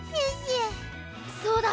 そうだ。